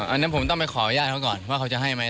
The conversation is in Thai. อันนั้นผมต้องไปขออนุญาตเขาก่อนว่าเขาจะให้ไหม